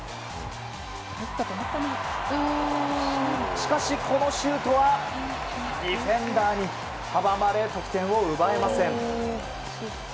しかしこのシュートはディフェンダーに阻まれ得点を奪えません。